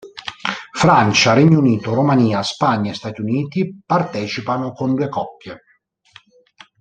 Francia, Regno Unito, Romania, Spagna e Stati Uniti partecipano con due coppie.